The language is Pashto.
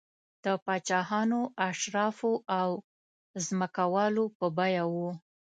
د پاچاهانو، اشرافو او ځمکوالو په بیه و